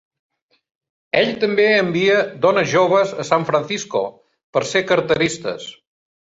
Ell també envia dones joves a San Francisco per ser carteristes.